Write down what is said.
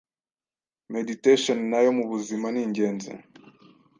Meditation nayo mubuzima ningezi .